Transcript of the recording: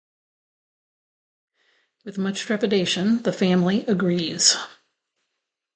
With much trepidation, the family agrees.